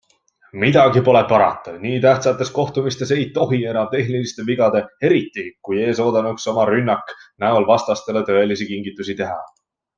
Midagi pole parata, nii tähtsates kohtumistes ei tohi enam tehniliste vigade - eriti, kui ees oodanuks oma rünnak - näol vastastele tõelisi kingitusi teha.